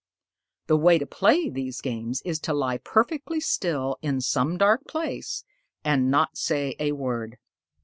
The way to play these games is to lie perfectly still in some dark place and not say a word."